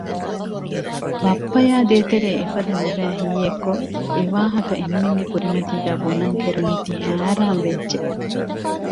ބައްޕަޔާ ދޭތެރޭ އެފަދަ ނުބައި ހީއެއް ހީކޮށް އެވާހަކަ އެންމެންގެ ކުރިމަތީގައި ބުނަން ކެރުނީތީ ހައިރާން ވެއްޖެ